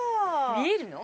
見えるの？